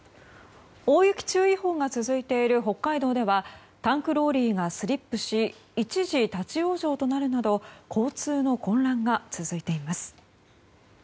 大雪注意報が続いている北海道ではタンクローリーがスリップし一時、立ち往生となるなど交通の混乱が続いています。